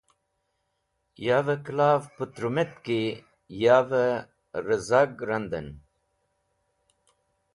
Yavẽ kẽlav putrũmetk ki yavẽ rezag randẽn.